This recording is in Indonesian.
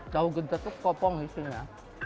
tahu gede itu kopong isinya